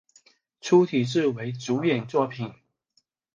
粗体字为主演作品